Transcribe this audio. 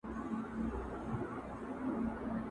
o هم غم، هم غمور.